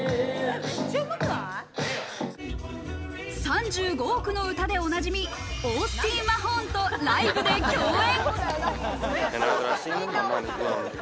３５億の歌でおなじみオースティン・マホーンとライブで共演。